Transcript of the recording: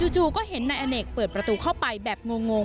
จู่ก็เห็นนายอเนกเปิดประตูเข้าไปแบบงง